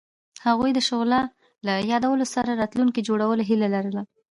هغوی د شعله له یادونو سره راتلونکی جوړولو هیله لرله.